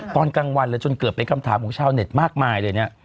ตอนกลางวันเลยจนเกิดเป็นคำถามของชาวเน็ตมากมายเลยเนี่ย